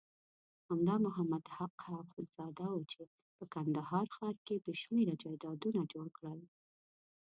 همدا محمد حق اخندزاده وو چې په کندهار ښار کې بېشمېره جایدادونه جوړ کړل.